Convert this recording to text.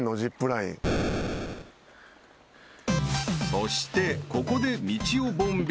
［そしてここで］